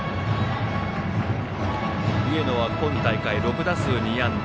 上野は今大会６打数２安打。